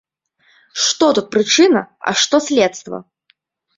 Што тут прычына, а што следства?